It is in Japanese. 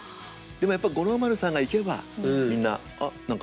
でもやっぱ五郎丸さんが行けばみんな「あっ何かあれ？